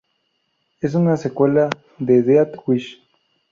Es una secuela de Death Wish.